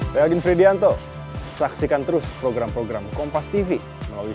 jangan sampai seperti pemilu tujuh puluh satu ketika kekuatan untuk mengoreksi itu kalah